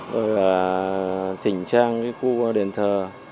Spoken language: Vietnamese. rồi là chỉnh trang với khu đền thờ